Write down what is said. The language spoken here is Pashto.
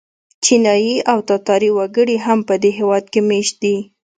چینایي او تاتاري وګړي هم په دې هېواد کې مېشت دي.